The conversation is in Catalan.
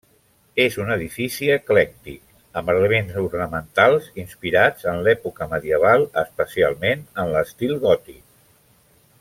És un edifici eclèctic, amb elements ornamentals inspirats en l'època medieval, especialment en l'estil gòtic.